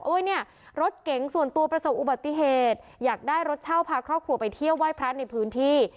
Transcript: เนี่ยรถเก๋งส่วนตัวประสบอุบัติเหตุอยากได้รถเช่าพาครอบครัวไปเที่ยวไหว้พระในพื้นที่